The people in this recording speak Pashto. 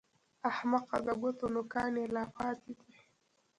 احمقه! د ګوتو نوکان يې لا پاتې دي!